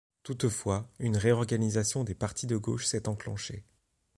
Toutefois, une réorganisation des partis de gauche s'est enclenchée.